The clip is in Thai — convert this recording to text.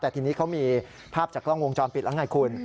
แต่ทีนี้เขามีภาพจากกล้องวงจรปิดแล้วไงคุณ